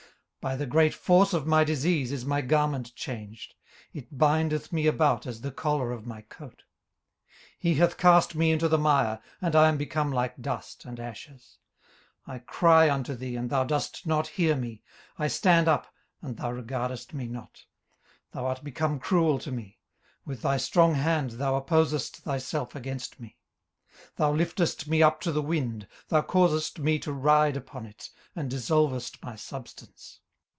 18:030:018 By the great force of my disease is my garment changed: it bindeth me about as the collar of my coat. 18:030:019 He hath cast me into the mire, and I am become like dust and ashes. 18:030:020 I cry unto thee, and thou dost not hear me: I stand up, and thou regardest me not. 18:030:021 Thou art become cruel to me: with thy strong hand thou opposest thyself against me. 18:030:022 Thou liftest me up to the wind; thou causest me to ride upon it, and dissolvest my substance.